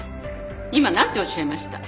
今何ておっしゃいました？